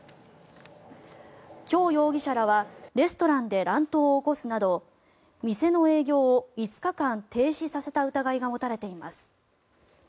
キョウ容疑者らはレストランで乱闘を起こすなど店の営業を５日間停止させた疑いが持たれています。